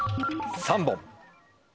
３本。